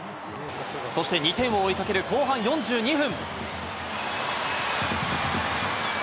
そして２点を追いかける後半４２分。